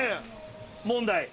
問題。